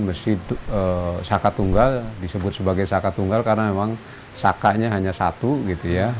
masjid saka tunggal disebut sebagai saka tunggal karena memang sakanya hanya satu gitu ya